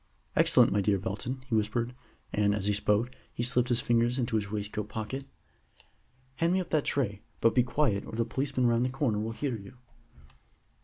"Excellent, my dear Belton," he whispered; and, as he spoke, he slipped his fingers into his waistcoat pocket. "Hand me up that tray, but be quiet, or the policeman round the corner will hear you."